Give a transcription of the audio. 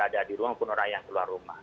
di ruang pun orang yang keluar rumah